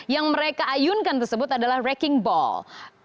yang mereka ayunkan tersebut adalah raking ball